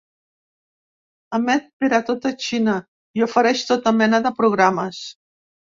Emet per a tota Xina i ofereix tota mena de programes.